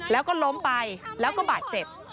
แล้วก็ล้มไปแล้วก็บาดเจ็บ